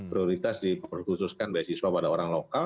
prioritas diperkhususkan dari siswa pada orang lokal